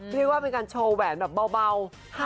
เรียกว่าเป็นการโชว์แหวนแบบเบา